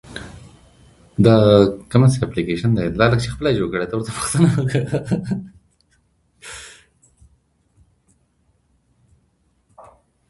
o د انا اوگره ده په څکلو خلاصه سوه٫